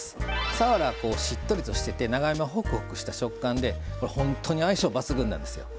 さわらはしっとりとしてて長芋はホクホクした食感でこれ本当に相性抜群なんですよ。